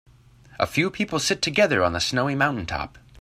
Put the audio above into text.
A few people sit together on the snowy mountaintop.